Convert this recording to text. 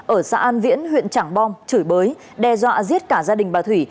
ở xã an viễn huyện trảng bom chửi bới đe dọa giết cả gia đình bà thủy